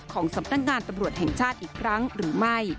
ของสำนักงานตำรวจแห่งชาติอีกครั้งหรือไม่